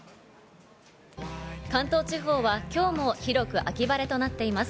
関東地方は今日も広く秋晴れとなっています。